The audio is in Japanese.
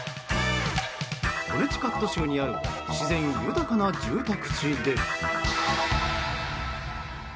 コネティカット州にある自然豊かな住宅地で。